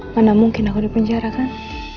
mana mungkin aku di penjara kan